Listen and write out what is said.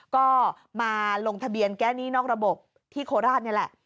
ก็มาลงทะเบียนแก้หนี้นอกระบบที่โคราชนี่แหละ